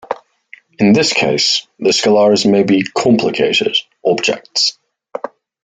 In this case the "scalars" may be complicated objects.